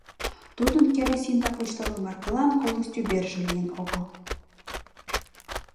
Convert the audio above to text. Тудын керосин да почтовый маркылан коло стюберже лийын огыл.